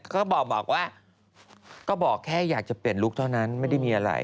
ก็บอกว่าก็บอกแค่อยากจะเปลี่ยนลุคเท่านั้นไม่ได้มีอะไร